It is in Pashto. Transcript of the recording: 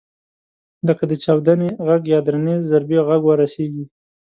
لکه د چاودنې غږ یا درنې ضربې غږ ورسېږي.